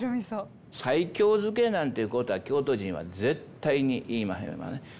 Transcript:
西京漬けなんていうことは京都人は絶対に言いまへんわね。